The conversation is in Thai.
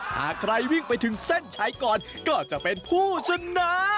หากใครวิ่งไปถึงเส้นชัยก่อนก็จะเป็นผู้ชนะ